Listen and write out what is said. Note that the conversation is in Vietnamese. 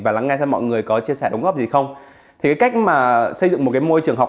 và lắng nghe xem mọi người có chia sẻ đúng góp gì không thì cái cách mà xây dựng một cái môi trường học